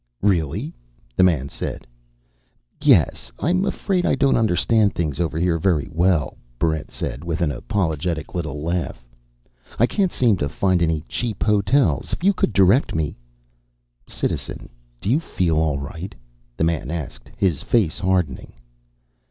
"Really?" the man said. "Yes. I'm afraid I don't understand things over here very well," Barrent said, with an apologetic little laugh. "I can't seem to find any cheap hotels. If you could direct me " "Citizen, do you feel all right?" the man asked, his face hardening.